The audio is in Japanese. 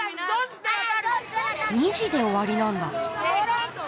２時で終わりなんだ。